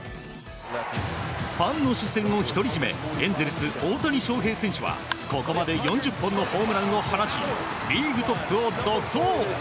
ファンの視線を独り占めエンゼルス、大谷翔平選手はここまで４０本のホームランを放ちリーグトップを独走！